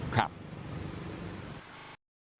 ครับ